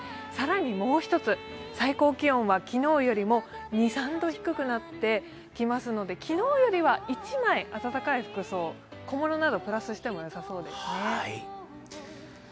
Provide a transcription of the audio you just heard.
更にもう一つ、最高気温は昨日よりも２３度低くなってきますので昨日よりは１枚暖かい服装小物などをプラスしてもよさそうですね。